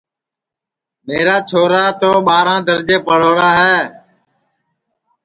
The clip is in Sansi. میرا چھورا تو ٻاراں درجے پڑھوڑا ہے